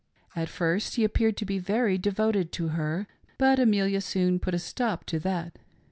At first he appeared to be very devoted to her, but Amelia soon put a stop to that.